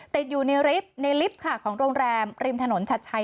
ติดอยู่ในลิฟต์ค่ะของโรงแรมริมถนนชัดชัย